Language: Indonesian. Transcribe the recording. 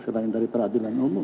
selain dari peradilan umum